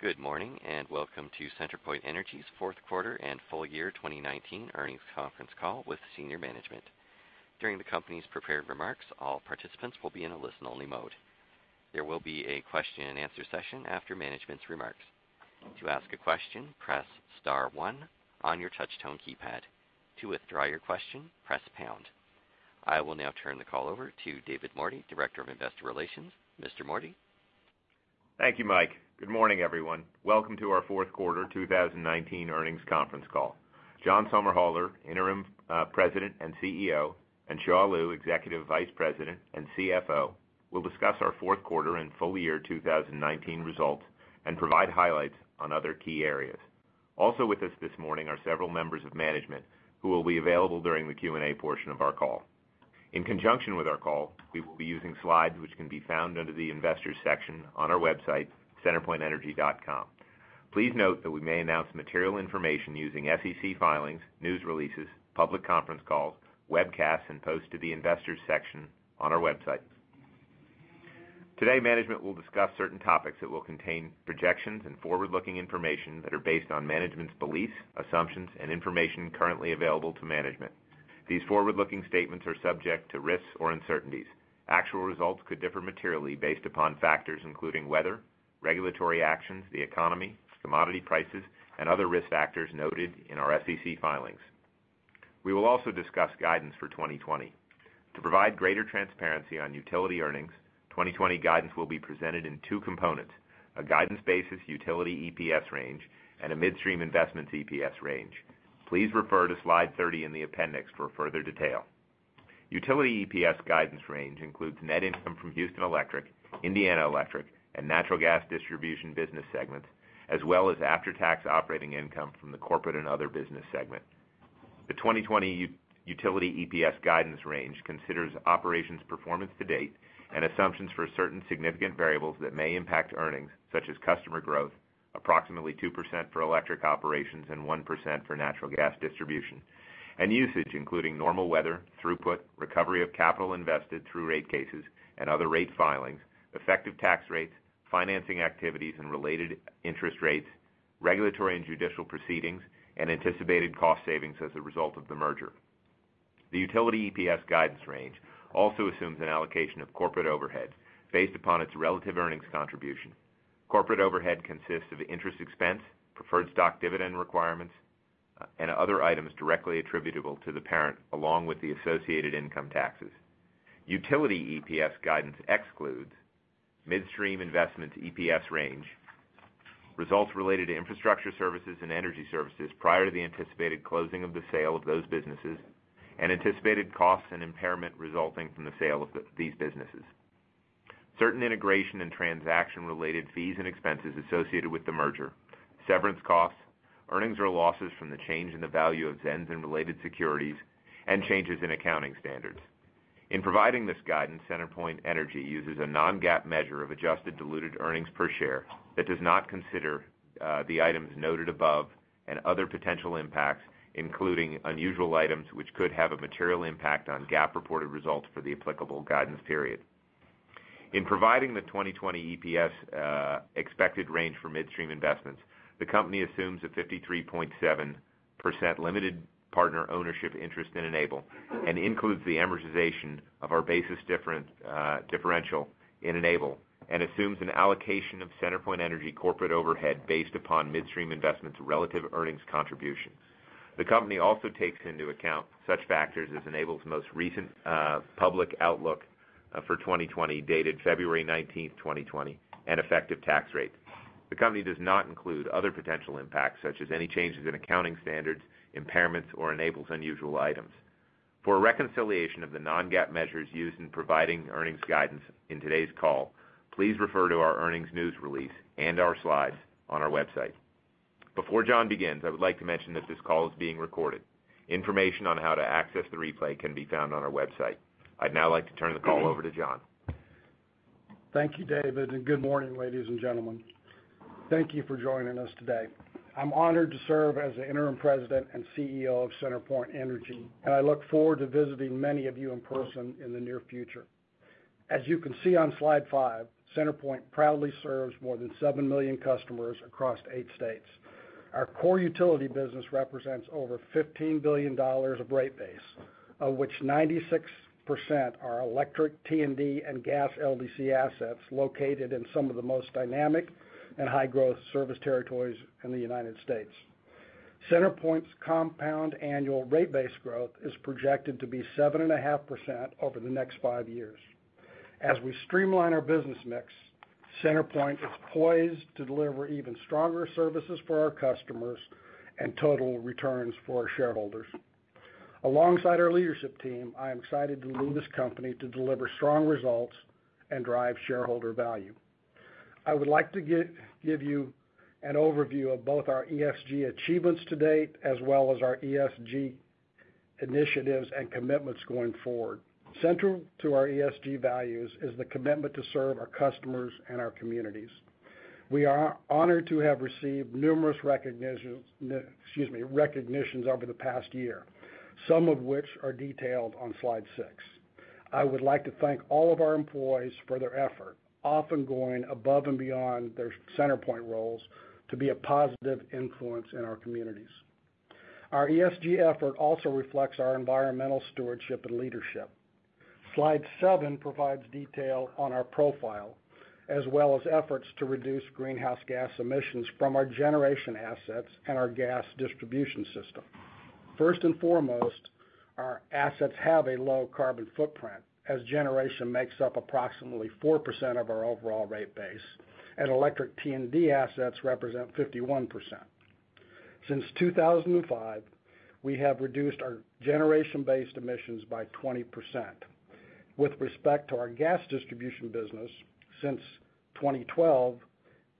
Good morning, and welcome to CenterPoint Energy's fourth quarter and full year 2019 earnings conference call with senior management. During the company's prepared remarks, all participants will be in a listen-only mode. There will be a question and answer session after management's remarks. To ask a question, press star one on your touch-tone keypad. To withdraw your question, press pound. I will now turn the call over to David Mordy, Director of Investor Relations. Mr. Mordy? Thank you, Mike. Good morning, everyone. Welcome to our fourth quarter 2019 earnings conference call. John Somerhalder, Interim President and CEO, and Xia Liu, Executive Vice President and CFO, will discuss our fourth quarter and full year 2019 results and provide highlights on other key areas. Also with us this morning are several members of management who will be available during the Q&A portion of our call. In conjunction with our call, we will be using slides which can be found under the Investors section on our website, centerpointenergy.com. Please note that we may announce material information using SEC filings, news releases, public conference calls, webcasts, and posts to the Investors section on our website. Today, management will discuss certain topics that will contain projections and forward-looking information that are based on management's beliefs, assumptions, and information currently available to management. These forward-looking statements are subject to risks or uncertainties. Actual results could differ materially based upon factors including weather, regulatory actions, the economy, commodity prices, and other risk factors noted in our SEC filings. We will also discuss guidance for 2020. To provide greater transparency on utility earnings, 2020 guidance will be presented in two components, a guidance basis utility EPS range, and a midstream investments EPS range. Please refer to slide 30 in the appendix for further detail. Utility EPS guidance range includes net income from Houston Electric, Indiana Electric, and natural gas distribution business segments, as well as after-tax operating income from the corporate and other business segment. The 2020 utility EPS guidance range considers operations performance to date and assumptions for certain significant variables that may impact earnings, such as customer growth, approximately 2% for electric operations and 1% for natural gas distribution, and usage, including normal weather, throughput, recovery of capital invested through rate cases and other rate filings, effective tax rates, financing activities, and related interest rates, regulatory and judicial proceedings, and anticipated cost savings as a result of the merger. The utility EPS guidance range also assumes an allocation of corporate overhead based upon its relative earnings contribution. Corporate overhead consists of interest expense, preferred stock dividend requirements, and other items directly attributable to the parent, along with the associated income taxes. Utility EPS guidance excludes midstream investments EPS range, results related to Infrastructure Services and Energy Services prior to the anticipated closing of the sale of those businesses, and anticipated costs and impairment resulting from the sale of these businesses. Certain integration and transaction-related fees and expenses associated with the merger, severance costs, earnings or losses from the change in the value of ZENS and related securities, and changes in accounting standards. In providing this guidance, CenterPoint Energy uses a non-GAAP measure of adjusted diluted earnings per share that does not consider the items noted above and other potential impacts, including unusual items which could have a material impact on GAAP-reported results for the applicable guidance period. In providing the 2020 EPS expected range for midstream investments, the company assumes a 53.7% limited partner ownership interest in Enable and includes the amortization of our basis differential in Enable and assumes an allocation of CenterPoint Energy corporate overhead based upon midstream investments' relative earnings contributions. The company also takes into account such factors as Enable's most recent public outlook for 2020, dated February 19th, 2020, and effective tax rate. The company does not include other potential impacts, such as any changes in accounting standards, impairments, or Enable's unusual items. For a reconciliation of the non-GAAP measures used in providing earnings guidance in today's call, please refer to our earnings news release and our slides on our website. Before John begins, I would like to mention that this call is being recorded. Information on how to access the replay can be found on our website. I'd now like to turn the call over to John. Thank you, David, and good morning, ladies and gentlemen. Thank you for joining us today. I'm honored to serve as the Interim President and Chief Executive Officer of CenterPoint Energy, and I look forward to visiting many of you in person in the near future. As you can see on slide five, CenterPoint proudly serves more than 7 million customers across eight states. Our core utility business represents over $15 billion of rate base, of which 96% are electric T&D and gas LDC assets located in some of the most dynamic and high-growth service territories in the United States. CenterPoint's compound annual rate base growth is projected to be 7.5% over the next five years. As we streamline our business mix, CenterPoint is poised to deliver even stronger services for our customers and total returns for our shareholders. Alongside our leadership team, I am excited to lead this company to deliver strong results and drive shareholder value. I would like to give you an overview of both our ESG achievements to date, as well as our ESG initiatives and commitments going forward. Central to our ESG values is the commitment to serve our customers and our communities. We are honored to have received numerous recognitions over the past year, some of which are detailed on slide six. I would like to thank all of our employees for their effort, often going above and beyond their CenterPoint roles to be a positive influence in our communities. Our ESG effort also reflects our environmental stewardship and leadership. Slide seven provides detail on our profile, as well as efforts to reduce greenhouse gas emissions from our generation assets and our gas distribution system. First and foremost, our assets have a low carbon footprint, as generation makes up approximately 4% of our overall rate base, and electric T&D assets represent 51%. Since 2005, we have reduced our generation-based emissions by 20%. With respect to our gas distribution business, since 2012,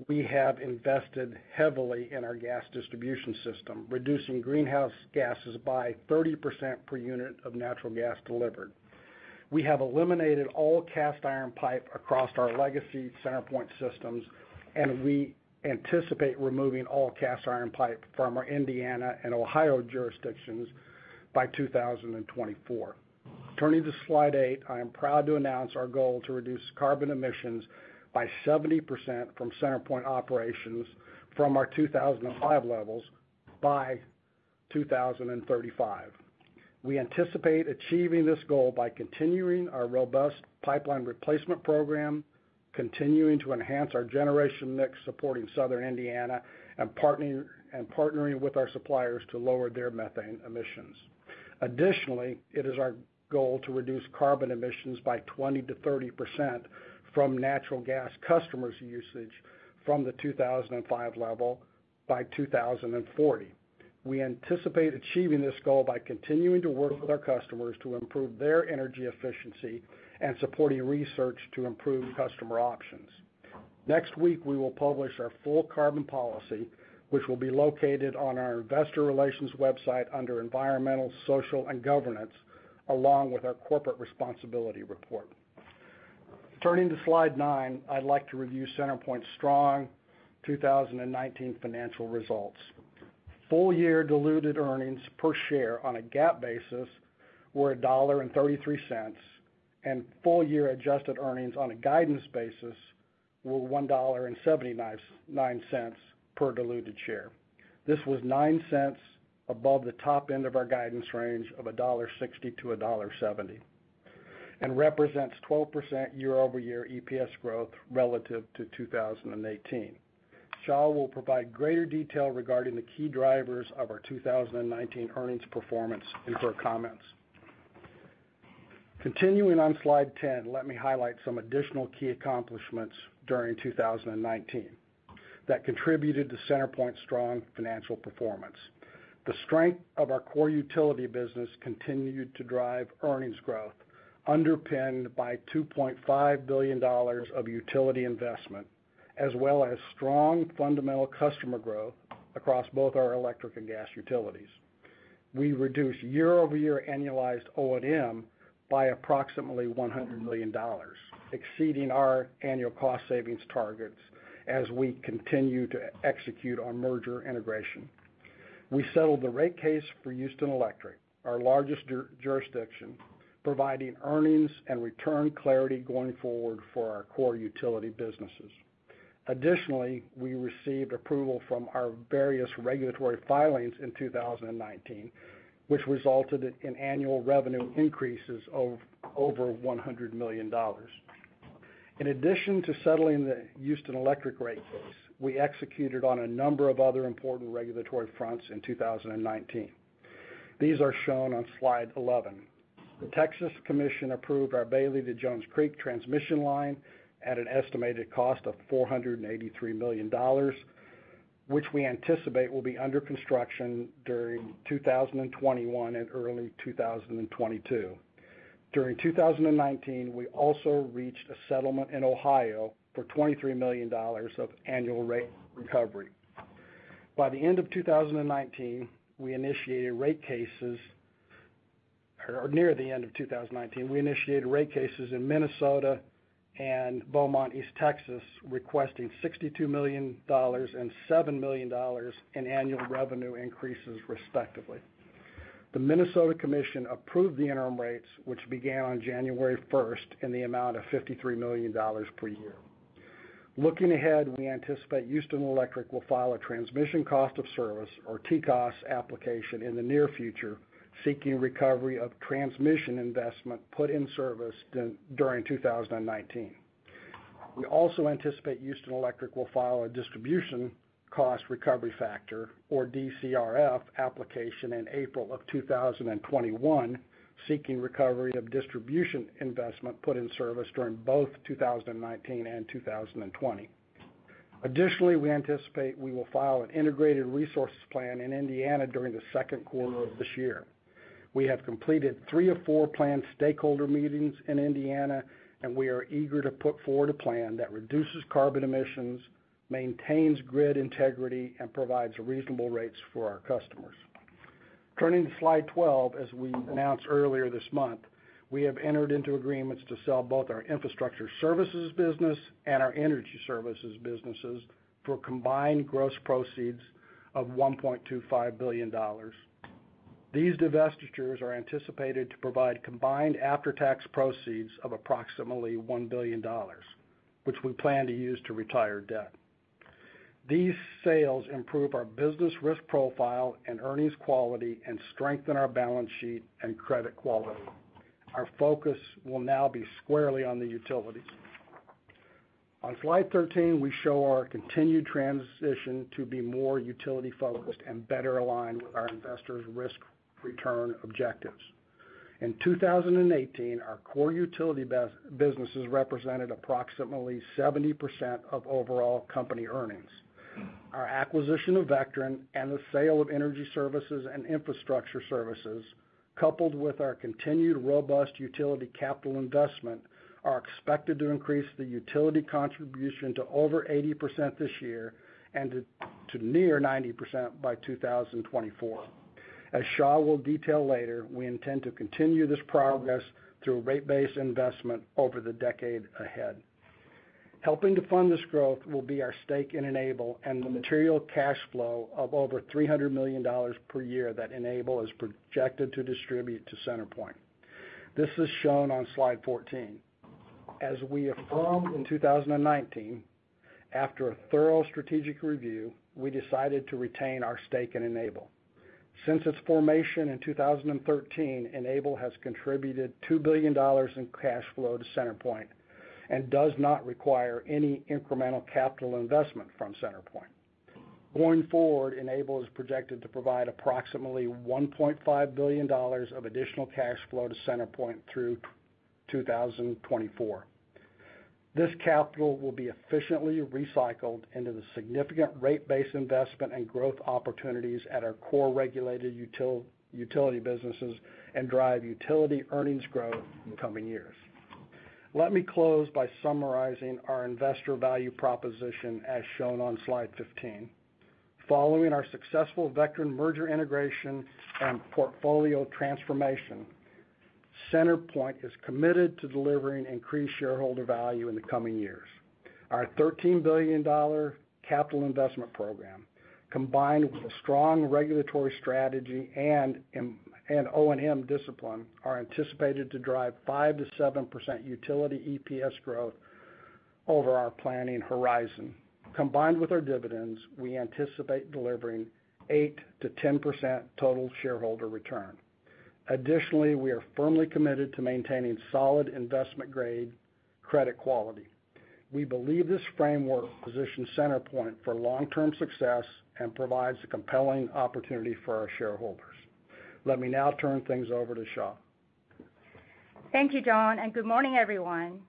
we have invested heavily in our gas distribution system, reducing greenhouse gases by 30% per unit of natural gas delivered. We have eliminated all cast iron pipe across our legacy CenterPoint systems. We anticipate removing all cast iron pipe from our Indiana and Ohio jurisdictions by 2024. Turning to slide eight, I am proud to announce our goal to reduce carbon emissions by 70% from CenterPoint operations from our 2005 levels by 2035. We anticipate achieving this goal by continuing our robust pipeline replacement program, continuing to enhance our generation mix supporting southern Indiana, and partnering with our suppliers to lower their methane emissions. It is our goal to reduce carbon emissions by 20%-30% from natural gas customers' usage from the 2005 level by 2040. We anticipate achieving this goal by continuing to work with our customers to improve their energy efficiency and supporting research to improve customer options. Next week, we will publish our full carbon policy, which will be located on our investor relations website under environmental, social, and governance, along with our Corporate Responsibility Report. Turning to slide nine, I'd like to review CenterPoint's strong 2019 financial results. Full-year diluted earnings per share on a GAAP basis were $1.33, and full-year adjusted earnings on a guidance basis were $1.79 per diluted share. This was $0.09 above the top end of our guidance range of $1.60-$1.70 and represents 12% year-over-year EPS growth relative to 2018. Xia will provide greater detail regarding the key drivers of our 2019 earnings performance in her comments. Continuing on slide 10, let me highlight some additional key accomplishments during 2019 that contributed to CenterPoint's strong financial performance. The strength of our core utility business continued to drive earnings growth underpinned by $2.5 billion of utility investment, as well as strong fundamental customer growth across both our electric and gas utilities. We reduced year-over-year annualized O&M by approximately $100 million, exceeding our annual cost savings targets as we continue to execute our merger integration. We settled the rate case for Houston Electric, our largest jurisdiction, providing earnings and return clarity going forward for our core utility businesses. Additionally, we received approval from our various regulatory filings in 2019, which resulted in annual revenue increases of over $100 million. In addition to settling the Houston Electric rate case, we executed on a number of other important regulatory fronts in 2019. These are shown on slide 11. The Texas Commission approved our Bailey to Jones Creek transmission line at an estimated cost of $483 million, which we anticipate will be under construction during 2021 and early 2022. During 2019, we also reached a settlement in Ohio for $23 million of annual rate recovery. By the end of 2019, or near the end of 2019, we initiated rate cases in Minnesota and Beaumont, East Texas, requesting $62 million and $7 million in annual revenue increases respectively. The Minnesota Commission approved the interim rates, which began on January 1st in the amount of $53 million per year. Looking ahead, we anticipate Houston Electric will file a transmission cost of service or TCOS application in the near future, seeking recovery of transmission investment put in service during 2019. We also anticipate Houston Electric will file a Distribution Cost Recovery Factor, or DCRF, application in April of 2021, seeking recovery of distribution investment put in service during both 2019 and 2020. Additionally, we anticipate we will file an Integrated Resource Plan in Indiana during the second quarter of this year. We have completed three of four planned stakeholder meetings in Indiana, and we are eager to put forward a plan that reduces carbon emissions, maintains grid integrity, and provides reasonable rates for our customers. Turning to slide 12, as we announced earlier this month, we have entered into agreements to sell both our Infrastructure Services business and our Energy Services businesses for combined gross proceeds of $1.25 billion. These divestitures are anticipated to provide combined after-tax proceeds of approximately $1 billion, which we plan to use to retire debt. These sales improve our business risk profile and earnings quality and strengthen our balance sheet and credit quality. Our focus will now be squarely on the utilities. On slide 13, we show our continued transition to be more utility-focused and better aligned with our investors' risk-return objectives. In 2018, our core utility businesses represented approximately 70% of overall company earnings. Our acquisition of Vectren and the sale of Energy Services and Infrastructure Services, coupled with our continued robust utility capital investment, are expected to increase the utility contribution to over 80% this year and to near 90% by 2024. As Xia will detail later, we intend to continue this progress through rate base investment over the decade ahead. Helping to fund this growth will be our stake in Enable and the material cash flow of over $300 million per year that Enable is projected to distribute to CenterPoint Energy. This is shown on slide 14. As we affirmed in 2019, after a thorough strategic review, we decided to retain our stake in Enable. Since its formation in 2013, Enable has contributed $2 billion in cash flow to CenterPoint Energy and does not require any incremental capital investment from CenterPoint Energy. Going forward, Enable is projected to provide approximately $1.5 billion of additional cash flow to CenterPoint Energy through 2024. This capital will be efficiently recycled into the significant rate base investment and growth opportunities at our core regulated utility businesses and drive utility earnings growth in coming years. Let me close by summarizing our investor value proposition as shown on slide 15. Following our successful Vectren merger integration and portfolio transformation, CenterPoint is committed to delivering increased shareholder value in the coming years. Our $13 billion capital investment program, combined with a strong regulatory strategy and O&M discipline, are anticipated to drive 5%-7% utility EPS growth over our planning horizon. Combined with our dividends, we anticipate delivering 8%-10% total shareholder return. We are firmly committed to maintaining solid investment-grade credit quality. We believe this framework positions CenterPoint for long-term success and provides a compelling opportunity for our shareholders. Let me now turn things over to Xia. Thank you, John, and good morning, everyone.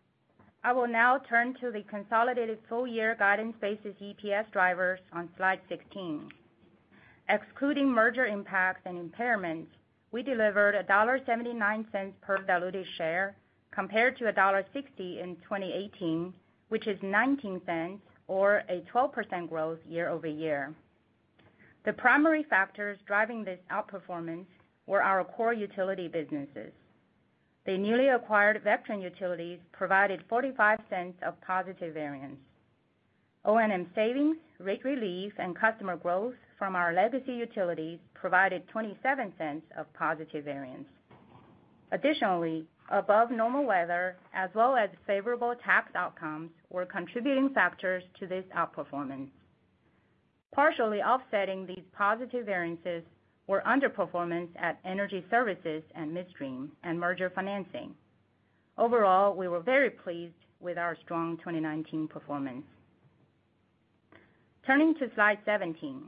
I will now turn to the consolidated full-year guidance-based EPS drivers on slide 16. Excluding merger impacts and impairments, we delivered $1.79 per diluted share compared to $1.60 in 2018, which is $0.19 or a 12% growth year-over-year. The primary factors driving this outperformance were our core utility businesses. The newly acquired Vectren utilities provided $0.45 of positive variance. O&M savings, rate relief, and customer growth from our legacy utilities provided $0.27 of positive variance. Additionally, above-normal weather as well as favorable tax outcomes were contributing factors to this outperformance. Partially offsetting these positive variances were underperformance at Energy Services and midstream and merger financing. We were very pleased with our strong 2019 performance. Turning to slide 17.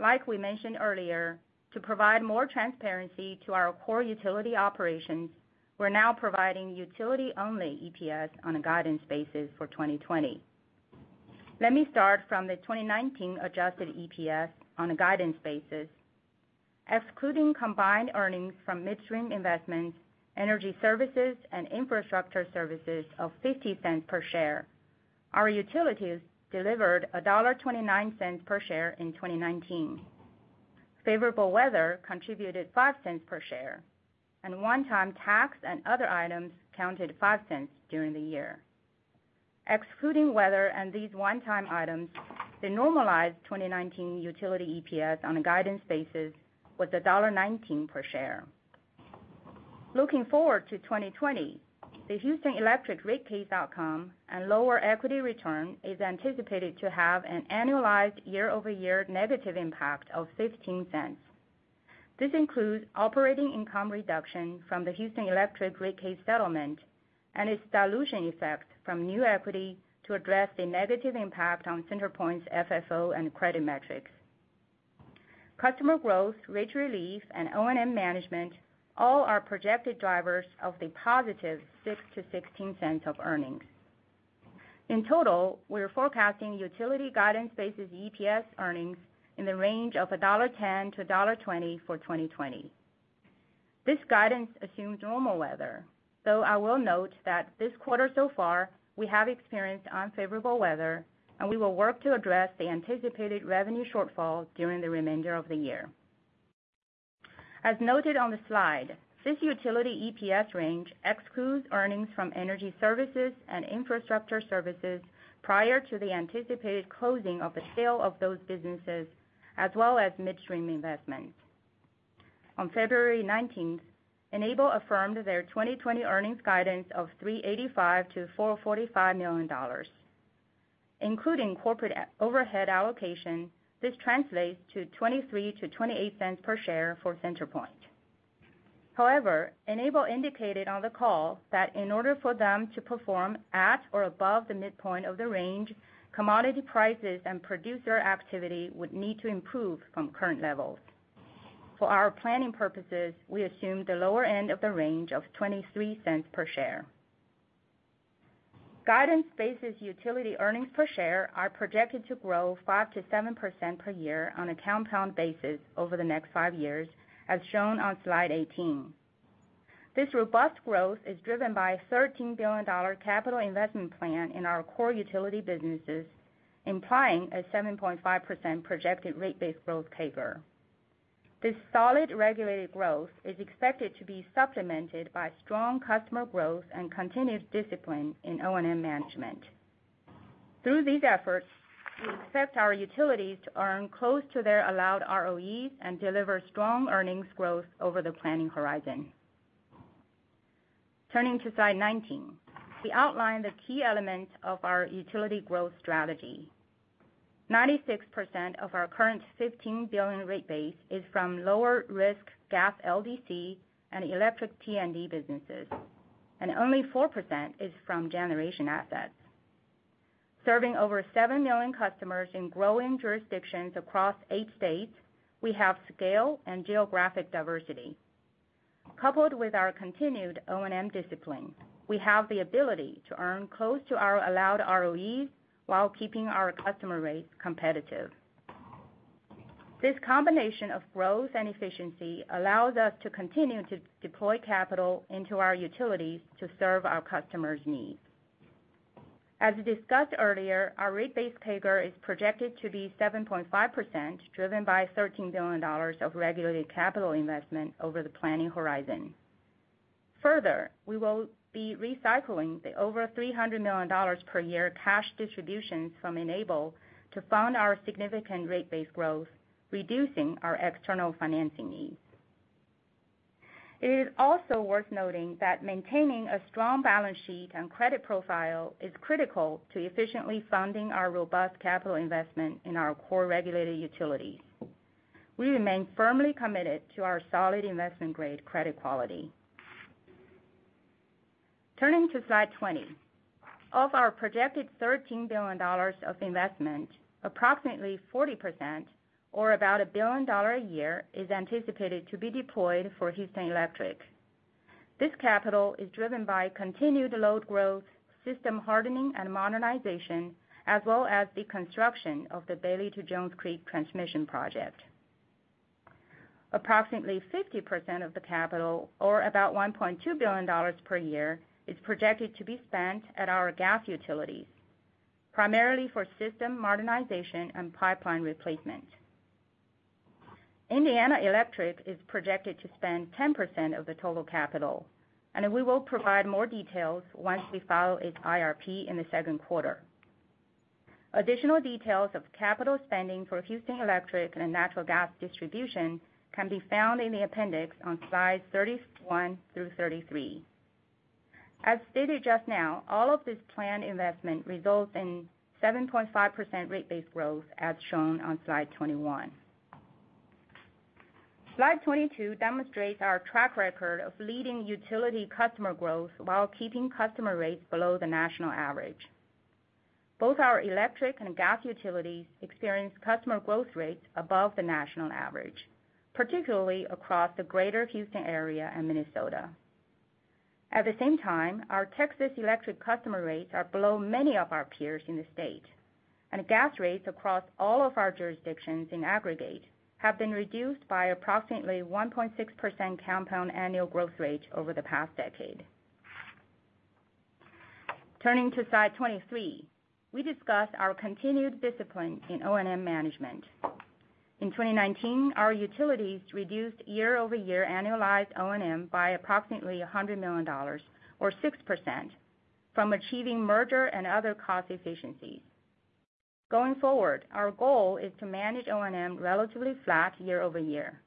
Like we mentioned earlier, to provide more transparency to our core utility operations, we're now providing utility-only EPS on a guidance basis for 2020. Let me start from the 2019 adjusted EPS on a guidance basis. Excluding combined earnings from midstream investments, Energy Services, and Infrastructure Services of $0.50 per share, our utilities delivered $1.29 per share in 2019. Favorable weather contributed $0.05 per share, and one-time tax and other items counted $0.05 during the year. Excluding weather and these one-time items, the normalized 2019 utility EPS on a guidance basis was $1.19 per share. Looking forward to 2020, the Houston Electric rate case outcome and lower equity return is anticipated to have an annualized year-over-year negative impact of $0.15. This includes operating income reduction from the Houston Electric rate case settlement and its dilution effect from new equity to address the negative impact on CenterPoint's FFO and credit metrics. Customer growth, rate relief, and O&M management all are projected drivers of the positive $0.06-$0.16 of earnings. In total, we are forecasting utility guidance-based EPS earnings in the range of $1.10-$1.20 for 2020. This guidance assumes normal weather. I will note that this quarter so far, we have experienced unfavorable weather, and we will work to address the anticipated revenue shortfall during the remainder of the year. As noted on the slide, this utility EPS range excludes earnings from Energy Services and Infrastructure Services prior to the anticipated closing of the sale of those businesses, as well as midstream investment. On February 19th, Enable affirmed their 2020 earnings guidance of $385 million-$445 million. Including corporate overhead allocation, this translates to $0.23-$0.28 per share for CenterPoint. However, Enable indicated on the call that in order for them to perform at or above the midpoint of the range, commodity prices and producer activity would need to improve from current levels. For our planning purposes, we assume the lower end of the range of $0.23 per share. Guidance-based utility earnings per share are projected to grow 5% to 7% per year on a compound basis over the next five years, as shown on slide 18. This robust growth is driven by a $13 billion capital investment plan in our core utility businesses, implying a 7.5% projected rate base growth CAGR. This solid regulated growth is expected to be supplemented by strong customer growth and continued discipline in O&M management. Through these efforts, we expect our utilities to earn close to their allowed ROE and deliver strong earnings growth over the planning horizon. Turning to slide 19. We outline the key elements of our utility growth strategy. 96% of our current $15 billion rate base is from lower-risk gas LDC and electric T&D businesses, and only 4% is from generation assets. Serving over 7 million customers in growing jurisdictions across eight states, we have scale and geographic diversity. Coupled with our continued O&M discipline, we have the ability to earn close to our allowed ROE while keeping our customer rates competitive. This combination of growth and efficiency allows us to continue to deploy capital into our utilities to serve our customers' needs. As discussed earlier, our rate base CAGR is projected to be 7.5%, driven by $13 billion of regulated capital investment over the planning horizon. Further, we will be recycling the over $300 million per year cash distributions from Enable to fund our significant rate base growth, reducing our external financing needs. It is also worth noting that maintaining a strong balance sheet and credit profile is critical to efficiently funding our robust capital investment in our core regulated utilities. We remain firmly committed to our solid investment-grade credit quality. Turning to slide 20. Of our projected $13 billion of investment, approximately 40%, or about $1 billion a year, is anticipated to be deployed for Houston Electric. This capital is driven by continued load growth, system hardening and modernization, as well as the construction of the Bailey to Jones Creek transmission project. Approximately 50% of the capital, or about $1.2 billion per year, is projected to be spent at our gas utilities, primarily for system modernization and pipeline replacement. Indiana Electric is projected to spend 10% of the total capital, and we will provide more details once we file its IRP in the second quarter. Additional details of capital spending for Houston Electric and natural gas distribution can be found in the appendix on slides 31 through 33. As stated just now, all of this planned investment results in 7.5% rate base growth, as shown on slide 21. Slide 22 demonstrates our track record of leading utility customer growth while keeping customer rates below the national average. Both our electric and gas utilities experience customer growth rates above the national average, particularly across the greater Houston area and Minnesota. At the same time, our Texas electric customer rates are below many of our peers in the state, and gas rates across all of our jurisdictions in aggregate have been reduced by approximately 1.6% compound annual growth rate over the past decade. Turning to slide 23. We discuss our continued discipline in O&M management. In 2019, our utilities reduced year-over-year annualized O&M by approximately $100 million, or 6%, from achieving merger and other cost efficiencies. Going forward, our goal is to manage O&M relatively flat year-over-year.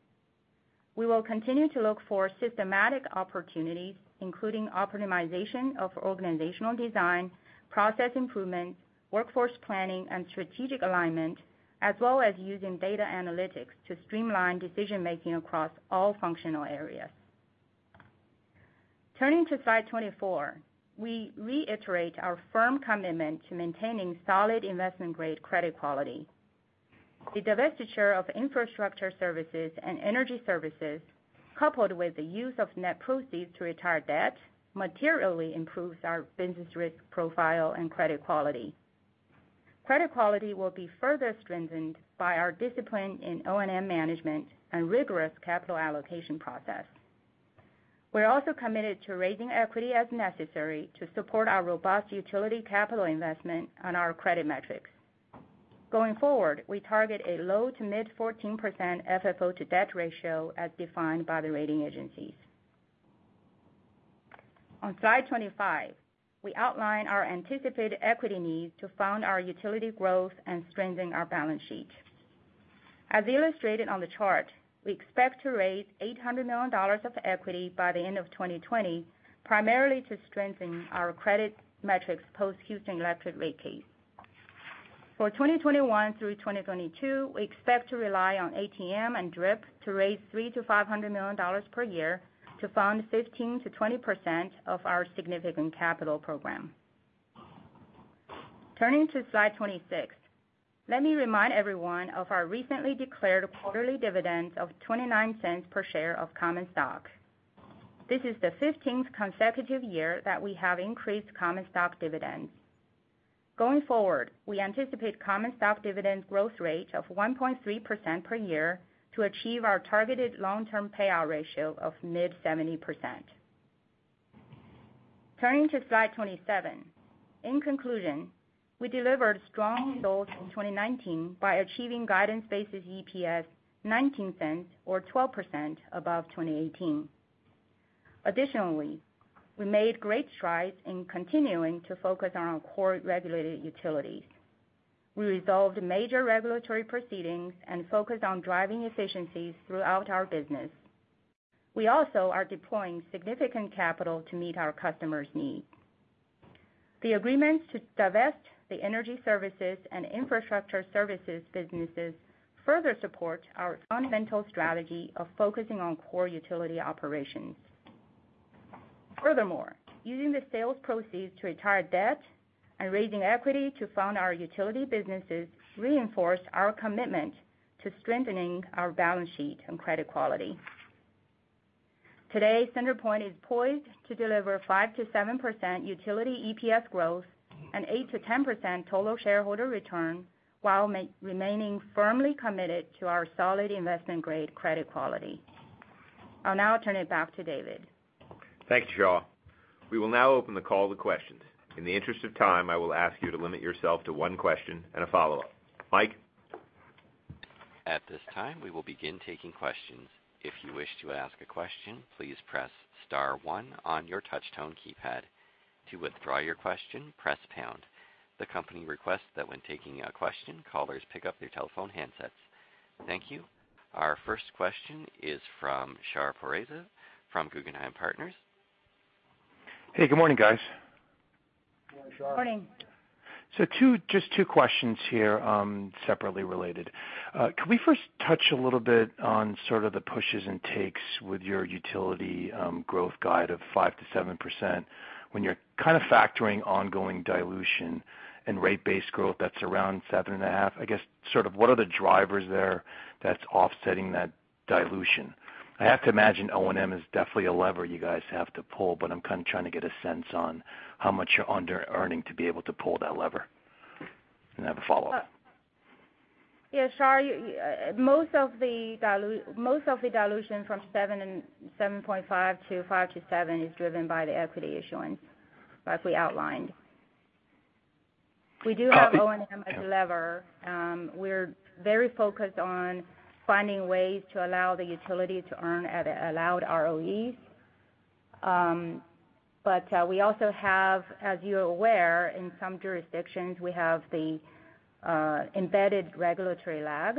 We will continue to look for systematic opportunities, including optimization of organizational design, process improvement, workforce planning, and strategic alignment, as well as using data analytics to streamline decision-making across all functional areas. Turning to slide 24. We reiterate our firm commitment to maintaining solid investment-grade credit quality. The divestiture of Infrastructure Services and Energy Services, coupled with the use of net proceeds to retire debt, materially improves our business risk profile and credit quality. Credit quality will be further strengthened by our discipline in O&M management and rigorous capital allocation process. We're also committed to raising equity as necessary to support our robust utility capital investment on our credit metrics. Going forward, we target a low to mid 14% FFO to debt ratio as defined by the rating agencies. On slide 25, we outline our anticipated equity needs to fund our utility growth and strengthen our balance sheet. As illustrated on the chart, we expect to raise $800 million of equity by the end of 2020, primarily to strengthen our credit metrics post Houston Electric rate case. For 2021 through 2022, we expect to rely on ATM and DRIP to raise $300 million-$500 million per year to fund 15%-20% of our significant capital program. Turning to slide 26, let me remind everyone of our recently declared quarterly dividends of $0.29 per share of common stock. This is the 15th consecutive year that we have increased common stock dividends. Going forward, we anticipate common stock dividend growth rate of 1.3% per year to achieve our targeted long-term payout ratio of mid 70%. Turning to slide 27. In conclusion, we delivered strong results in 2019 by achieving guidance-based EPS $0.19 or 12% above 2018. Additionally, we made great strides in continuing to focus on our core regulated utilities. We resolved major regulatory proceedings and focused on driving efficiencies throughout our business. We also are deploying significant capital to meet our customers' needs. The agreements to divest the Energy Services and Infrastructure Services businesses further support our fundamental strategy of focusing on core utility operations. Furthermore, using the sales proceeds to retire debt and raising equity to fund our utility businesses reinforce our commitment to strengthening our balance sheet and credit quality. Today, CenterPoint is poised to deliver 5%-7% utility EPS growth and 8%-10% total shareholder return while remaining firmly committed to our solid investment-grade credit quality. I'll now turn it back to David. Thanks, Xia. We will now open the call to questions. In the interest of time, I will ask you to limit yourself to one question and a follow-up. Michael? At this time, we will begin taking questions. If you wish to ask a question, please press star one on your touch tone keypad. To withdraw your question, press pound. The company requests that when taking a question, callers pick up their telephone handsets. Thank you. Our first question is from Shar Pourreza from Guggenheim Partners. Hey, good morning, guys. Good morning. Just two questions here, separately related. Can we first touch a little bit on sort of the pushes and takes with your utility growth guide of 5%-7% when you're kind of factoring ongoing dilution and rate-based growth that's around 7.5%? I guess, sort of what are the drivers there that's offsetting that dilution? I have to imagine O&M is definitely a lever you guys have to pull, but I'm kind of trying to get a sense on how much you're under-earning to be able to pull that lever. I have a follow-up. Yeah, Shar, most of the dilution from 7.5% to 5%-7% is driven by the equity issuance, like we outlined. We do have O&M as a lever. We're very focused on finding ways to allow the utility to earn at allowed ROEs. We also have, as you're aware, in some jurisdictions, we have the embedded regulatory lag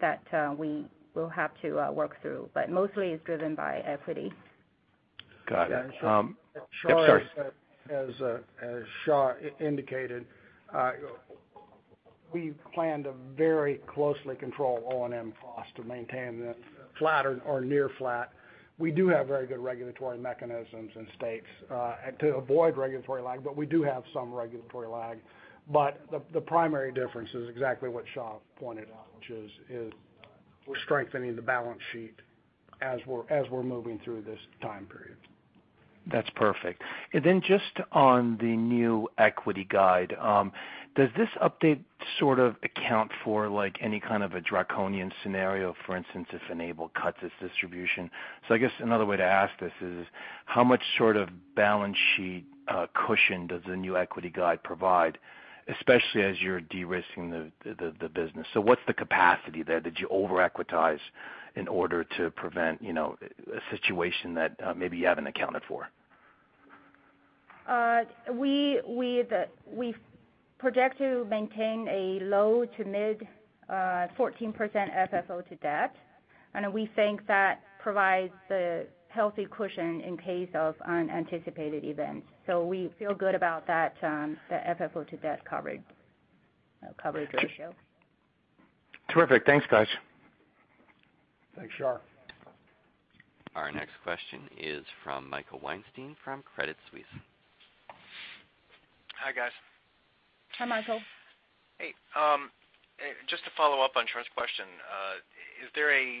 that we will have to work through. Mostly it's driven by equity. Got it. Oh, sorry. As Xia indicated, we plan to very closely control O&M costs to maintain the flat or near flat. We do have very good regulatory mechanisms in states to avoid regulatory lag, but we do have some regulatory lag. The primary difference is exactly what Xia pointed out, which is we're strengthening the balance sheet as we're moving through this time period. That's perfect. Just on the new equity guide, does this update sort of account for any kind of a draconian scenario, for instance, if Enable cuts its distribution? I guess another way to ask this is, how much sort of balance sheet cushion does the new equity guide provide, especially as you're de-risking the business? What's the capacity there? Did you over-equitize in order to prevent a situation that maybe you haven't accounted for? We project to maintain a low to mid 14% FFO to debt. We think that provides a healthy cushion in case of unanticipated events. We feel good about that FFO to debt coverage ratio. Terrific. Thanks, guys. Thanks, Shar. Our next question is from Michael Weinstein from Credit Suisse. Hi, guys. Hi, Michael. Hey. Just to follow up on Shar's question. Is there any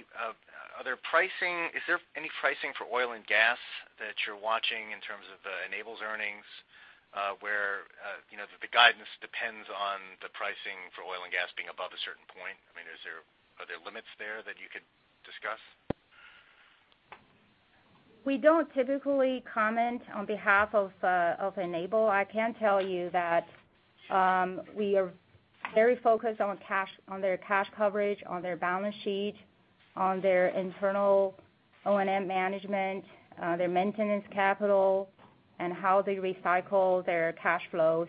pricing for oil and gas that you're watching in terms of Enable's earnings, where the guidance depends on the pricing for oil and gas being above a certain point? I mean, are there limits there that you could discuss? We don't typically comment on behalf of Enable. I can tell you that we are very focused on their cash coverage, on their balance sheet, on their internal O&M management, their maintenance capital, and how they recycle their cash flow.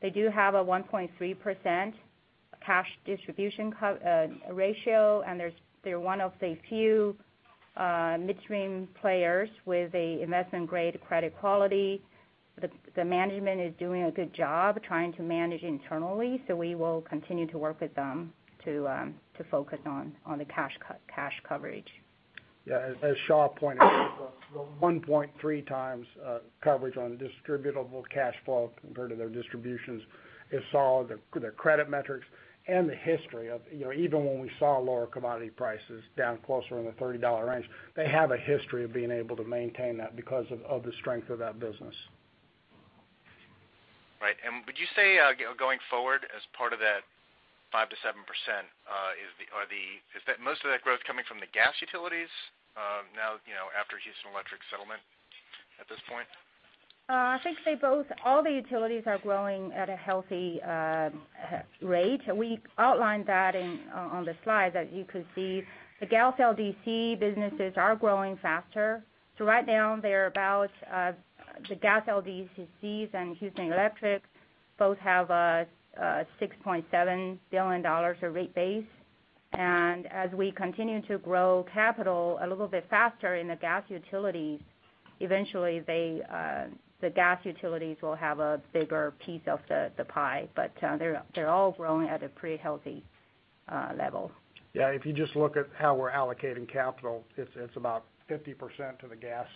They do have a 1.3% cash distribution ratio, and they're one of the few midstream players with an investment-grade credit quality. The management is doing a good job trying to manage internally, so we will continue to work with them to focus on the cash coverage. As Xia pointed out, the 1.3 times coverage on distributable cash flow compared to their distributions is solid. Their credit metrics and the history of even when we saw lower commodity prices down closer in the $30 range, they have a history of being able to maintain that because of the strength of that business. Right. Would you say, going forward, as part of that 5%-7%, is most of that growth coming from the gas utilities now after Houston Electric settlement at this point? I think all the utilities are growing at a healthy rate. We outlined that on the slide that you could see. The gas LDC businesses are growing faster. Right now, the gas LDCs and Houston Electric both have a $6.7 billion of rate base. As we continue to grow capital a little bit faster in the gas utilities, eventually, the gas utilities will have a bigger piece of the pie. They're all growing at a pretty healthy level. Yeah, if you just look at how we're allocating capital, it's about 50% to the gas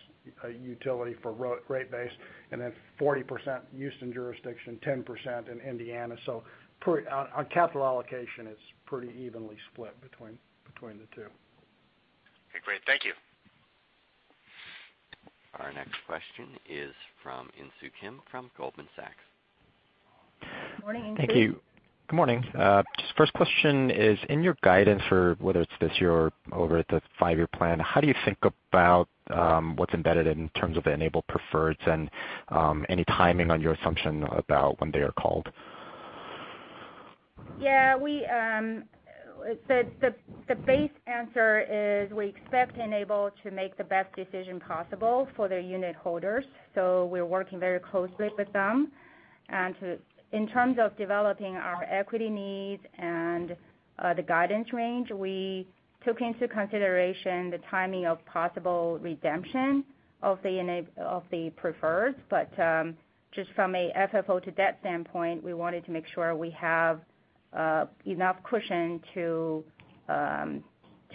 utility for rate base, and then 40% Houston jurisdiction, 10% in Indiana. Our capital allocation is pretty evenly split between the two. Okay, great. Thank you. Our next question is from Insoo Kim from Goldman Sachs. Morning, Insoo. Thank you. Good morning. First question is, in your guidance for whether it's this year or over the five-year plan, how do you think about what's embedded in terms of the Enable preferreds and any timing on your assumption about when they are called? Yeah. The base answer is we expect Enable to make the best decision possible for their unit holders. We're working very closely with them. In terms of developing our equity needs and the guidance range, we took into consideration the timing of possible redemption of the preferred. Just from a FFO to debt standpoint, we wanted to make sure we have enough cushion to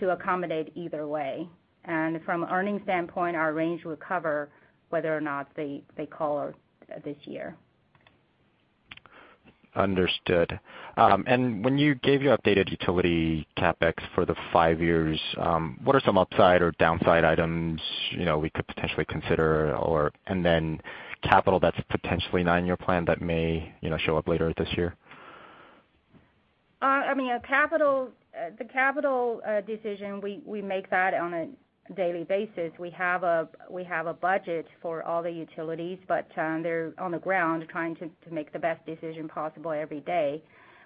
accommodate either way. From an earnings standpoint, our range will cover whether or not they call this year. Understood. When you gave your updated utility CapEx for the five years, what are some upside or downside items we could potentially consider, and then capital that's potentially not in your plan that may show up later this year? The capital decision, we make that on a daily basis. We have a budget for all the utilities, but they're on the ground trying to make the best decision possible every day.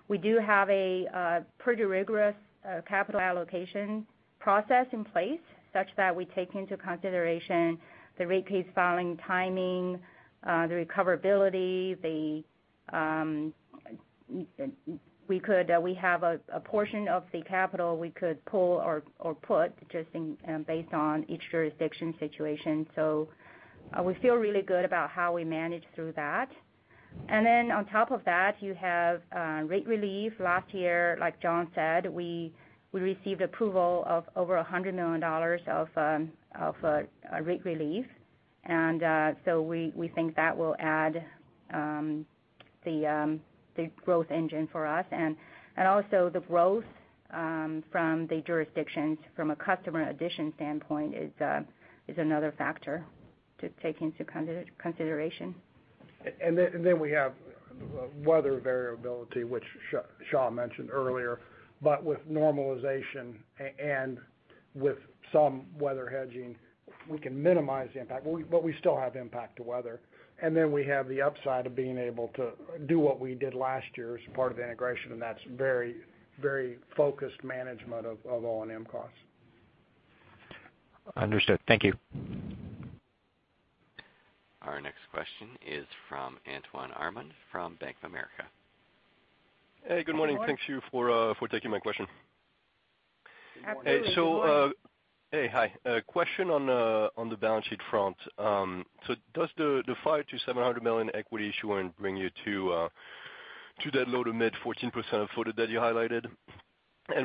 We do have a pretty rigorous capital allocation process in place such that we take into consideration the rate case filing timing, the recoverability. We have a portion of the capital we could pull or put just based on each jurisdiction situation. We feel really good about how we manage through that. On top of that, you have rate relief. Last year, like John said, we received approval of over $100 million of rate relief. We think that will add the growth engine for us. The growth from the jurisdictions from a customer addition standpoint is another factor to take into consideration. We have weather variability, which Xia mentioned earlier. With normalization and with some weather hedging, we can minimize the impact. We still have impact to weather. We have the upside of being able to do what we did last year as part of the integration, and that's very focused management of O&M costs. Understood. Thank you. Our next question is from Antoine Aurimond from Bank of America. Hey, good morning. Thank you for taking my question. Happy to. Good morning. Hey. Hi. A question on the balance sheet front. Does the $500 million-$700 million equity issuance bring you to that low to mid 14% for the debt you highlighted?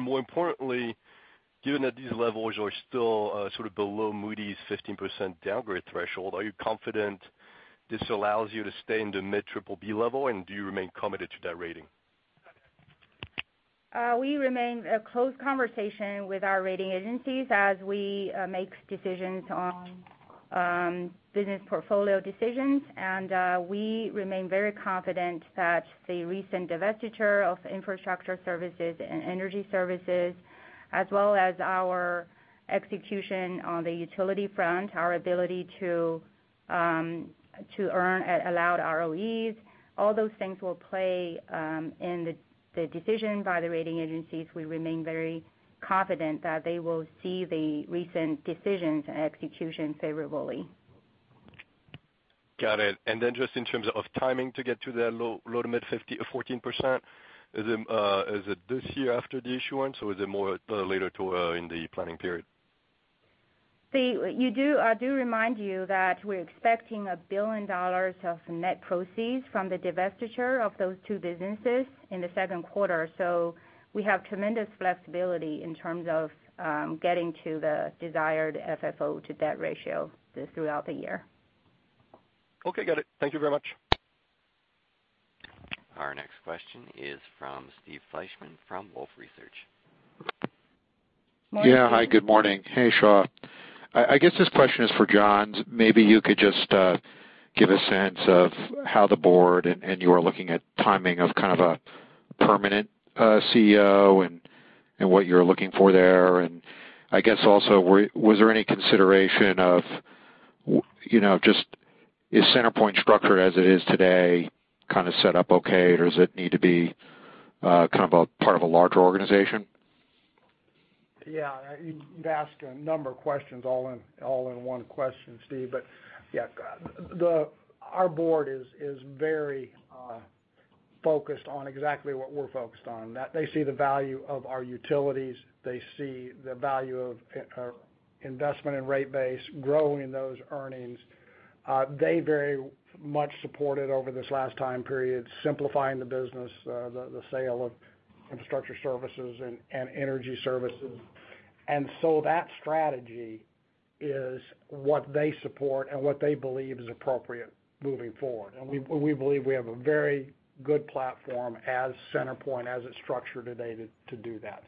More importantly, given that these levels are still sort of below Moody's 15% downgrade threshold, are you confident this allows you to stay in the mid BBB level, and do you remain committed to that rating? We remain a close conversation with our rating agencies as we make decisions on business portfolio decisions. We remain very confident that the recent divestiture of Infrastructure Services and Energy Services, as well as our execution on the utility front, our ability to earn at allowed ROEs, all those things will play in the decision by the rating agencies. We remain very confident that they will see the recent decisions and execution favorably. Got it. Then just in terms of timing to get to the low to mid 14%, is it this year after the issuance or is it more later in the planning period? I do remind you that we're expecting $1 billion of net proceeds from the divestiture of those two businesses in the second quarter. We have tremendous flexibility in terms of getting to the desired FFO to debt ratio throughout the year. Okay, got it. Thank you very much. Our next question is from Steve Fleishman from Wolfe Research. Morning, Steve. Yeah. Hi, good morning. Hey, Xia. I guess this question is for John. Maybe you could just give a sense of how the board and you are looking at timing of kind of a permanent CEO and what you're looking for there. I guess also, was there any consideration of just is CenterPoint structure as it is today kind of set up okay, or does it need to be kind of a part of a larger organization? You've asked a number of questions all in one question, Steve. Our board is very focused on exactly what we're focused on. They see the value of our utilities. They see the value of investment in rate base, growing those earnings. They very much supported over this last time period, simplifying the business, the sale of Infrastructure Services and Energy Services. That strategy is what they support and what they believe is appropriate moving forward. We believe we have a very good platform as CenterPoint, as it's structured today, to do that.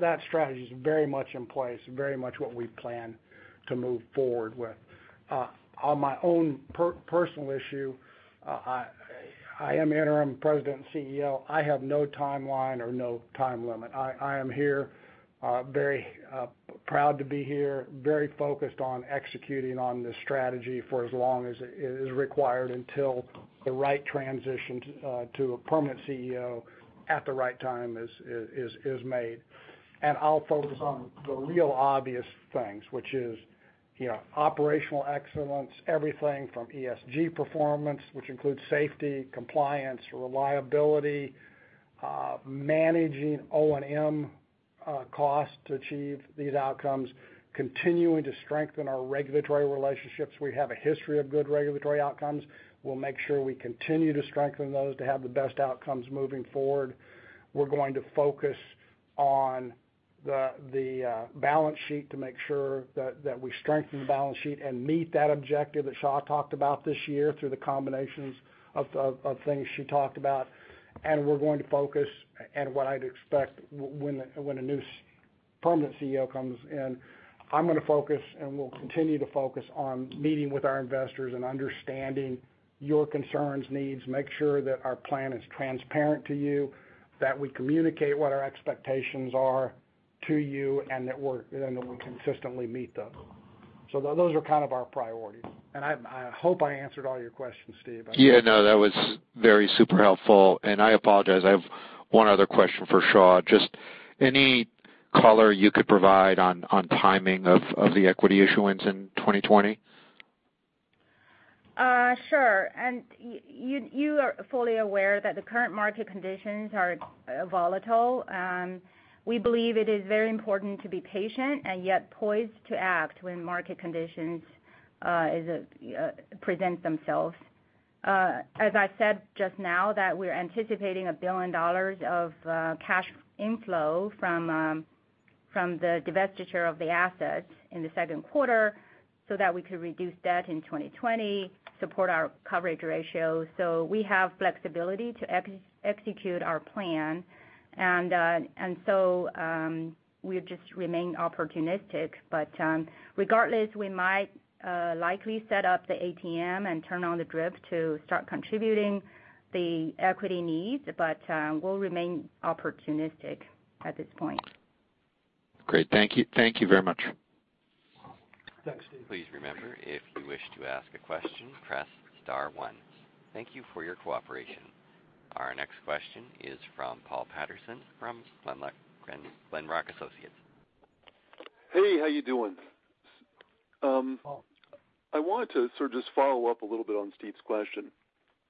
That strategy is very much in place, very much what we plan to move forward with. On my own personal issue, I am Interim President and CEO. I have no timeline or no time limit. I am here, very proud to be here, very focused on executing on this strategy for as long as is required until the right transition to a permanent CEO at the right time is made. I'll focus on the real obvious things, which is operational excellence, everything from ESG performance, which includes safety, compliance, reliability, managing O&M costs to achieve these outcomes, continuing to strengthen our regulatory relationships. We have a history of good regulatory outcomes. We'll make sure we continue to strengthen those to have the best outcomes moving forward. We're going to focus on the balance sheet to make sure that we strengthen the balance sheet and meet that objective that Xia talked about this year through the combinations of things she talked about. We're going to focus, and what I'd expect when a new permanent CEO comes in, I'm going to focus, and we'll continue to focus on meeting with our investors and understanding your concerns, needs, make sure that our plan is transparent to you, that we communicate what our expectations are to you, and that we consistently meet those. Those are kind of our priorities. I hope I answered all your questions, Steve. Yeah. No, that was very super helpful. and I apologize, I have one other question for Xia. Just any color you could provide on timing of the equity issuance in 2020? Sure. You are fully aware that the current market conditions are volatile. We believe it is very important to be patient and yet poised to act when market conditions present themselves. As I said just now, that we're anticipating $1 billion of cash inflow from the divestiture of the assets in the second quarter so that we could reduce debt in 2020, support our coverage ratio. We have flexibility to execute our plan. We'll just remain opportunistic. Regardless, we might likely set up the ATM and turn on the DRIP to start contributing the equity needs, but we'll remain opportunistic at this point. Great. Thank you very much. Thanks, Steve. Please remember, if you wish to ask a question, press star one. Thank you for your cooperation. Our next question is from Paul Patterson from Glenrock Associates. Hey, how you doing? I wanted to sort of just follow up a little bit on Steve's question.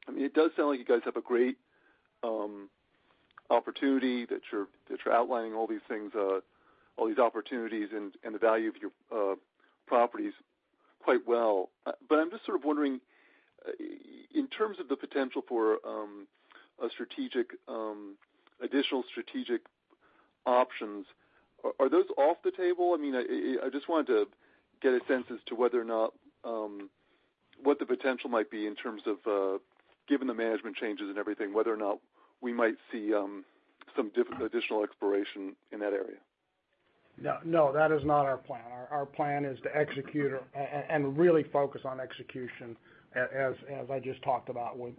It does sound like you guys have a great opportunity, that you're outlining all these things, all these opportunities and the value of your properties quite well. I'm just sort of wondering in terms of the potential for additional strategic options, are those off the table? I just wanted to get a sense as to what the potential might be in terms of, given the management changes and everything, whether or not we might see some additional exploration in that area. No. That is not our plan. Our plan is to execute and really focus on execution, as I just talked about when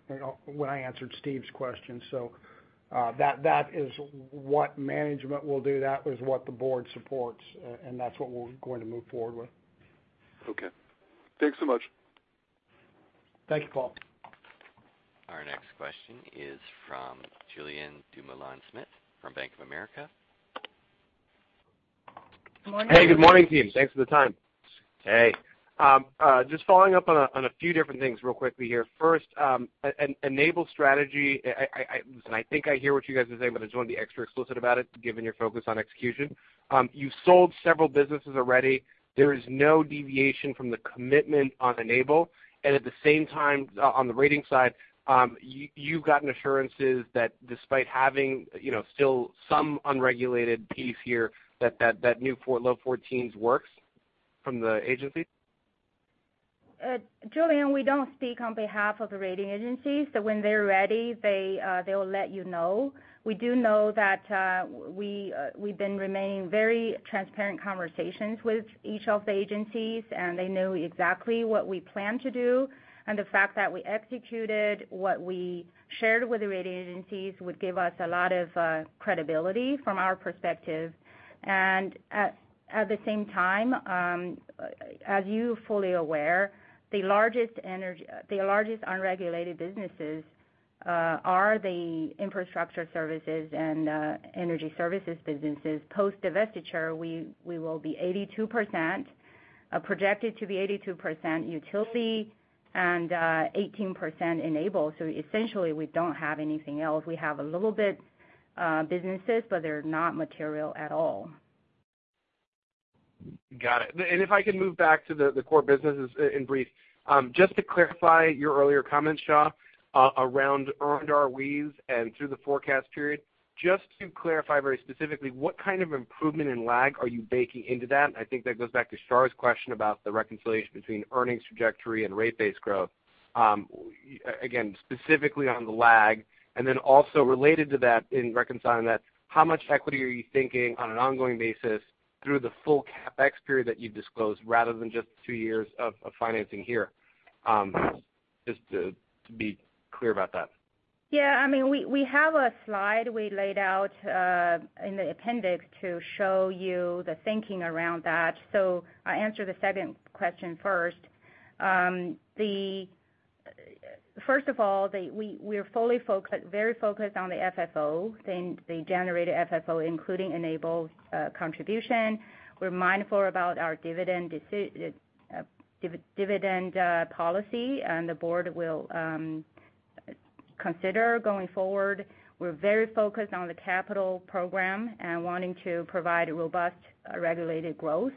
I answered Steve's question. That is what management will do, that is what the board supports, and that's what we're going to move forward with. Okay. Thanks so much. Thank you, Paul. Our next question is from Julien Dumoulin-Smith from Bank of America. Hey. Good morning, team. Thanks for the time. Just following up on a few different things real quickly here. First, Enable strategy. Listen, I mean, I hear what you guys are saying, but I just want to be extra explicit about it, given your focus on execution. You've sold several businesses already. There is no deviation from the commitment on Enable. At the same time, on the rating side, you've gotten assurances that despite having still some unregulated piece here, that new low 14s works from the agencies? Julien, we don't speak on behalf of the rating agencies. When they're ready, they will let you know. We do know that we've been remaining very transparent conversations with each of the agencies, and they know exactly what we plan to do. The fact that we executed what we shared with the rating agencies would give us a lot of credibility from our perspective. At the same time, as you're fully aware, the largest unregulated businesses are the Infrastructure Services and Energy Services businesses. Post-divestiture, we will be 82%, projected to be 82% utility and 18% Enable. Essentially, we don't have anything else. We have a little bit businesses, they're not material at all. Got it. If I can move back to the core businesses in brief. Just to clarify your earlier comments, Xia, around earned ROEs and through the forecast period. Just to clarify very specifically, what kind of improvement in lag are you baking into that? I think that goes back to Shar's question about the reconciliation between earnings trajectory and rate base growth. Again, specifically on the lag, then also related to that in reconciling that, how much equity are you thinking on an ongoing basis through the full CapEx period that you've disclosed rather than just two years of financing here? Just to be clear about that. Yeah. We have a slide we laid out in the appendix to show you the thinking around that. I'll answer the second question first. First of all, we are very focused on the FFO, the generated FFO, including Enable's contribution. We're mindful about our dividend policy, and the board will consider going forward. We're very focused on the capital program and wanting to provide a robust regulated growth.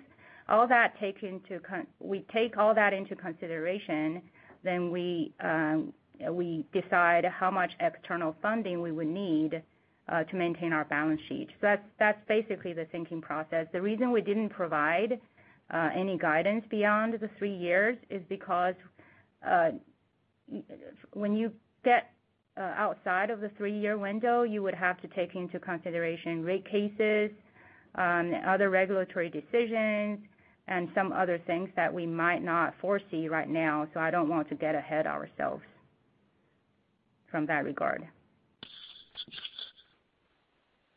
We take all that into consideration, then we decide how much external funding we would need to maintain our balance sheet. That's basically the thinking process. The reason we didn't provide any guidance beyond the three years is because when you get outside of the three-year window, you would have to take into consideration rate cases, other regulatory decisions, and some other things that we might not foresee right now. I don't want to get ahead ourselves from that regard.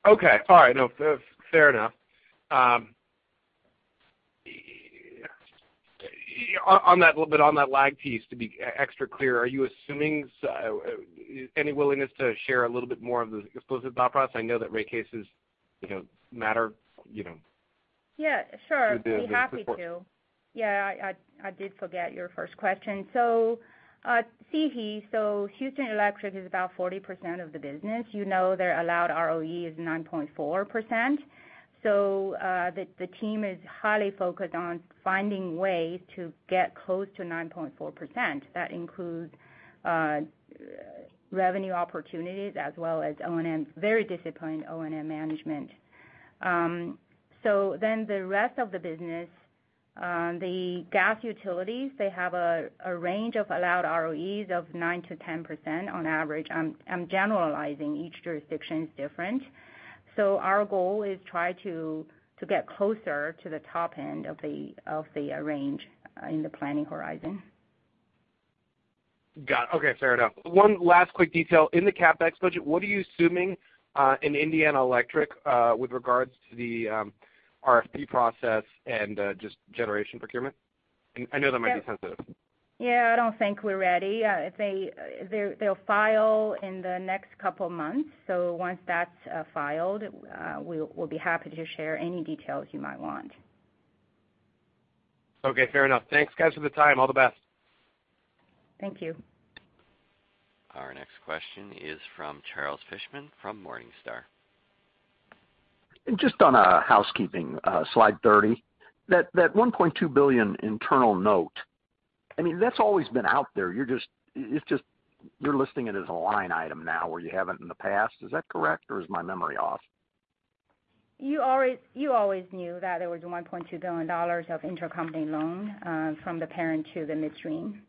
Okay. All right. No, fair enough. A little bit on that lag piece, to be extra clear, are you assuming any willingness to share a little bit more of the explicit thought process? I know that rate cases matter with the support. Yeah sure, I'd be happy to. Yeah, I did forget your first question. CEHE, Houston Electric is about 40% of the business. You know their allowed ROE is 9.4%. The team is highly focused on finding ways to get close to 9.4%. That includes revenue opportunities as well as very disciplined O&M management. The rest of the business, the gas utilities, they have a range of allowed ROEs of 9% to 10% on average. I'm generalizing. Each jurisdiction is different. Our goal is try to get closer to the top end of the range in the planning horizon. Got it. Okay. Fair enough. One last quick detail. In the CapEx budget, what are you assuming in Indiana Electric with regards to the RFP process and just generation procurement? I know that might be sensitive. Yeah, I don't think we're ready. They'll file in the next couple of months. Once that's filed, we'll be happy to share any details you might want. Okay, fair enough. Thanks, guys, for the time. All the best. Thank you. Our next question is from Charles Fishman from Morningstar. Just on a housekeeping, slide 30. That $1.2 billion internal note. That's always been out there. You're listing it as a line item now where you haven't in the past. Is that correct, or is my memory off? You always knew that there was $1.2 billion of intercompany loan from the parent to the midstream.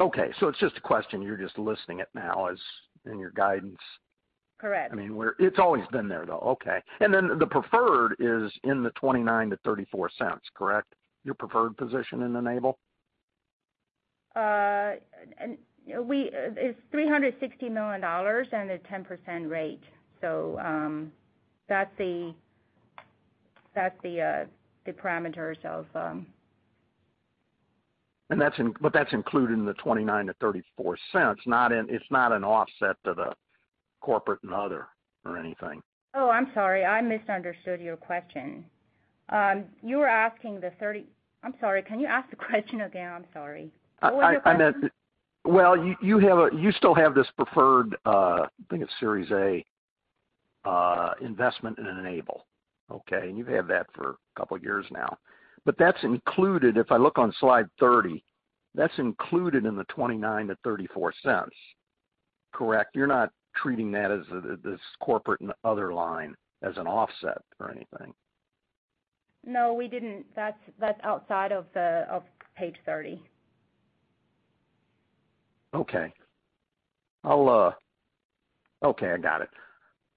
Okay. It's just a question, you're just listing it now as in your guidance. Correct. It's always been there, though. Okay. The preferred is in the $0.29-$0.34, correct? Your preferred position in Enable? It's $360 million and a 10% rate. That's the parameters of. That's included in the $0.29-$0.34, it's not an offset to the corporate and other or anything. Oh, I'm sorry. I misunderstood your question. I'm sorry. Can you ask the question again? I'm sorry. What was your question? Well, you still have this preferred, I think it's Series A, investment in Enable. Okay. You've had that for a couple of years now. That's included, if I look on slide 30, that's included in the $0.29-$0.34. Correct? You're not treating that as this corporate and other line as an offset or anything. No, we didn't. That's outside of page 30. Okay. I got it.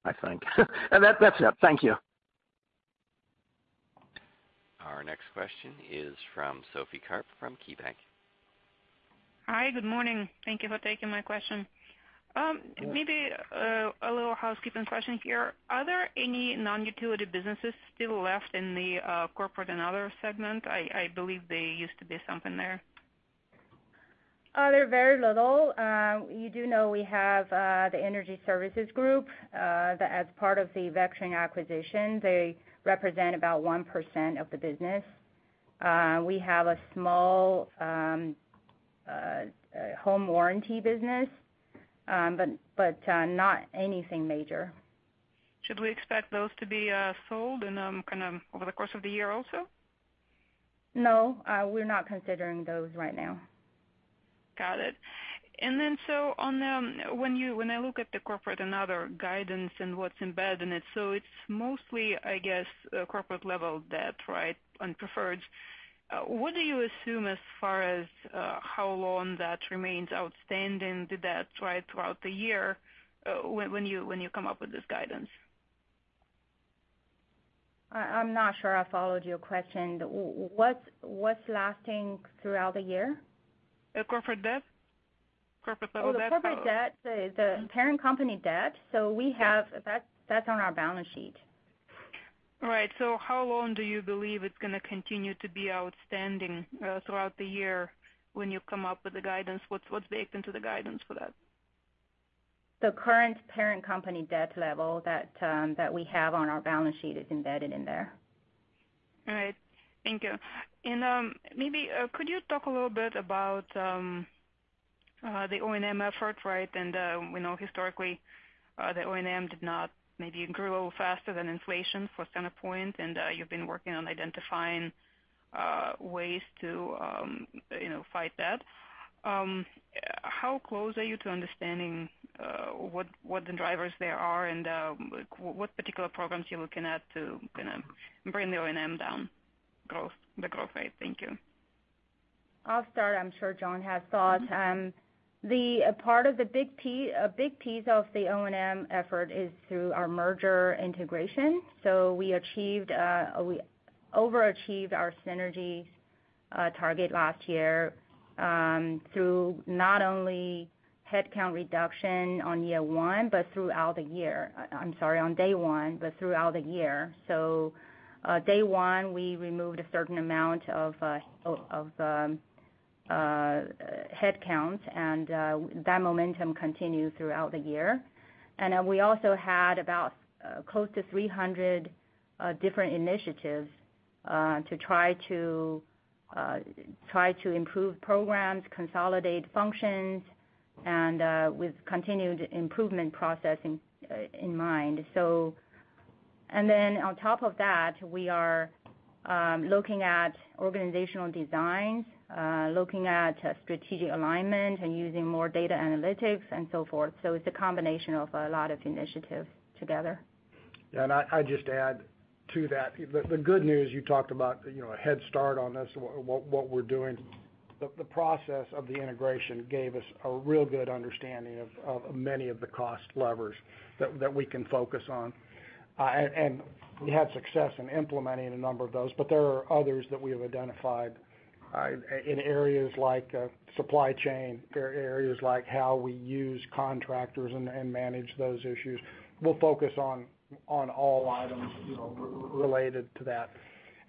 I think. That's it. Thank you. Our next question is from Sophie Karp from KeyBanc. Hi, good morning. Thank you for taking my question. Maybe a little housekeeping question here. Are there any non-utility businesses still left in the corporate and other segment? I believe there used to be something there. There are very little. You know we have the Energy Services group, that as part of the Vectren acquisition, they represent about 1% of the business. We have a small home warranty business. Not anything major. Should we expect those to be sold over the course of the year also? No, we're not considering those right now. Got it. When I look at the corporate and other guidance and what's embedded in it's mostly, I guess, corporate level debt, right? And preferred. What do you assume as far as how long that remains outstanding, the debt, right, throughout the year, when you come up with this guidance? I'm not sure I followed your question. What's lasting throughout the year? The corporate debt. Corporate level debt. Oh, the corporate debt. The parent company debt. That's on our balance sheet. Right. How long do you believe it's going to continue to be outstanding throughout the year when you come up with the guidance? What's baked into the guidance for that? The current parent company debt level that we have on our balance sheet is embedded in there. All right. Thank you. Maybe could you talk a little bit about the O&M effort, right? We know historically the O&M did not, maybe it grew a little faster than inflation for CenterPoint, and you've been working on identifying ways to fight that. How close are you to understanding what the drivers there are, and what particular programs you're looking at to kind of bring the O&M down, the growth rate? Thank you. I'll start. I'm sure John has thoughts. A big piece of the O&M effort is through our merger integration. We overachieved our synergy target last year, through not only headcount reduction on year one, but throughout the year. I'm sorry, on day one, but throughout the year. Day one, we removed a certain amount of headcount, and that momentum continued throughout the year. We also had about close to 300 different initiatives to try to improve programs, consolidate functions, and with continued improvement process in mind. On top of that, we are looking at organizational designs, looking at strategic alignment and using more data analytics and so forth. It's a combination of a lot of initiatives together. Yeah, I'd just add to that. The good news you talked about, a head start on this, what we're doing. The process of the integration gave us a real good understanding of many of the cost levers that we can focus on. We had success in implementing a number of those, but there are others that we have identified in areas like supply chain, areas like how we use contractors and manage those issues. We'll focus on all items related to that.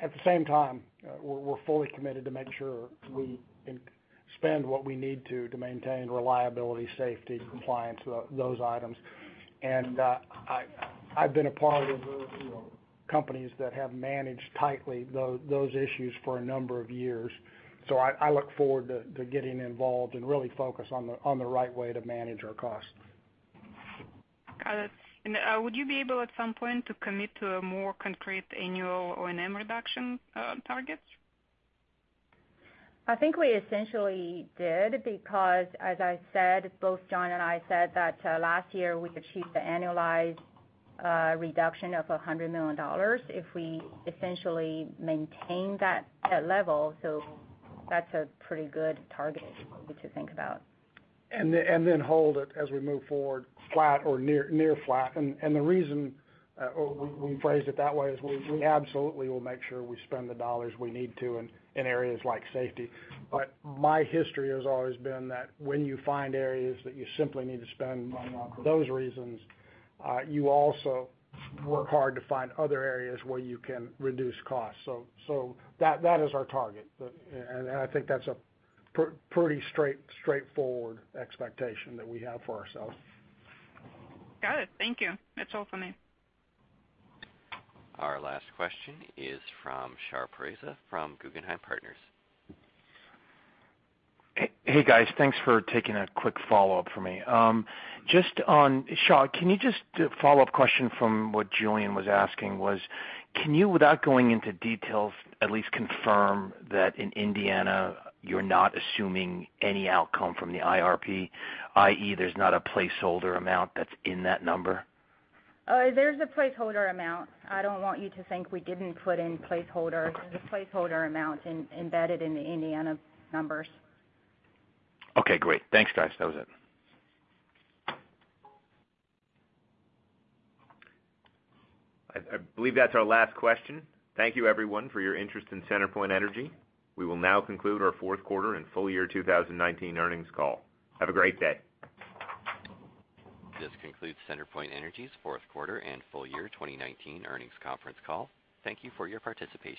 At the same time, we're fully committed to make sure we spend what we need to to maintain reliability, safety, compliance, those items. I've been a part of companies that have managed tightly those issues for a number of years. I look forward to getting involved and really focus on the right way to manage our costs. Got it. Would you be able at some point to commit to a more concrete annual O&M reduction targets? I think we essentially did because as I said, both John and I said that last year we achieved the annualized reduction of $100 million if we essentially maintain that level. That's a pretty good target to think about. Then hold it as we move forward flat or near flat. The reason we phrased it that way is we absolutely will make sure we spend the dollars we need to in areas like safety. My history has always been that when you find areas that you simply need to spend for those reasons, you also work hard to find other areas where you can reduce costs. That is our target. I think that's a pretty straightforward expectation that we have for ourselves. Got it. Thank you. That's all for me. Our last question is from Shar Pourreza from Guggenheim Partners. Hey, guys. Thanks for taking a quick follow-up for me. Xia, follow-up question from what Julien was asking was, can you, without going into details, at least confirm that in Indiana, you're not assuming any outcome from the IRP, i.e., there's not a placeholder amount that's in that number? There's a placeholder amount. I don't want you to think we didn't put in placeholders. There's a placeholder amount embedded in the Indiana numbers. Okay, great. Thanks, guys. That was it. I believe that's our last question. Thank you everyone for your interest in CenterPoint Energy. We will now conclude our fourth quarter and full year 2019 earnings call. Have a great day. This concludes CenterPoint Energy's fourth quarter and full year 2019 earnings conference call. Thank you for your participation.